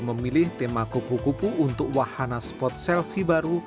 memilih tema kupu kupu untuk wahana spot selfie baru